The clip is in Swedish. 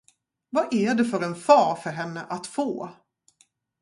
Vad är det för en far för henne att få?